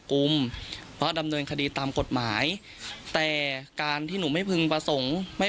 กลุ่มเพราะดำเนินคดีตามกฎหมายแต่การที่หนูไม่พึงประสงค์ไม่